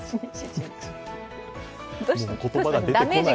もう言葉が出てこない。